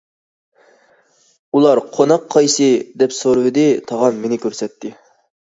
ئۇلار:« قوناق قايسى» دەپ سورىۋىدى، تاغام مېنى كۆرسەتتى.